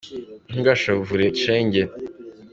Ntugashavure shenge